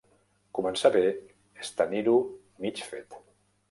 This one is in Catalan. Començar bé és tenir-ho mig fet